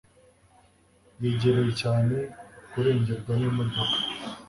yegereye cyane kurengerwa n'imodoka